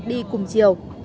đi cùng chiều